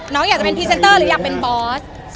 น้องอยากจะเป็นพรีเซนเตอร์หรืออยากเป็นบอส